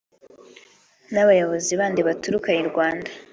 n’abayobozi bandi baturukaga i Rwanda